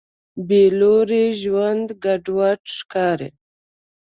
بېلوري ژوند ګډوډ ښکاري.